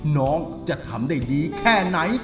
น้องจะทำได้ดีแค่ไหน